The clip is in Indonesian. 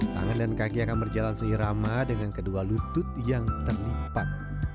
tangan dan kaki akan berjalan seirama dengan kedua lutut yang terlipat